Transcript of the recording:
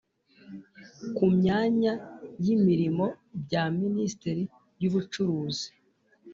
Ku myanya y imirimo bya minisiteri y ubucuruzi